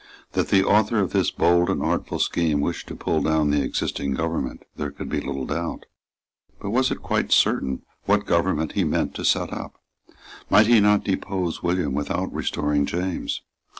That the author of this bold and artful scheme wished to pull down the existing government there could be little doubt. But was it quite certain what government he meant to set up? Might he not depose William without restoring James?